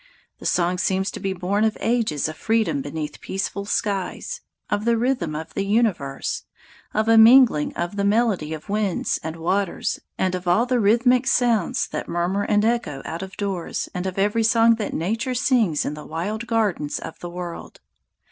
The song seems to be born of ages of freedom beneath peaceful skies, of the rhythm of the universe, of a mingling of the melody of winds and waters and of all rhythmic sounds that murmur and echo out of doors and of every song that Nature sings in the wild gardens of the world.